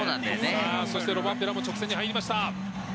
そしてロバンペラも直線に入りました。